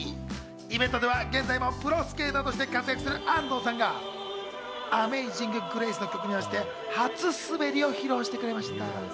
イベントでは現在もプロスケーターとして活躍する安藤さんが『アメイジング・グレイス』の曲に合わせて初滑りを披露してくれました。